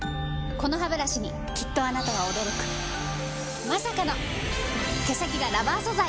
このハブラシにきっとあなたは驚くまさかの毛先がラバー素材！